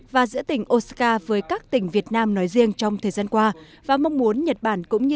và giữa tỉnh osaka với các tỉnh việt nam nói riêng trong thời gian qua và mong muốn nhật bản cũng như